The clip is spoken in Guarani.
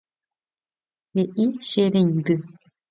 He'i che reindy